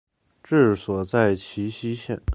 治所在齐熙县。